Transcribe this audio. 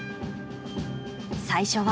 最初は。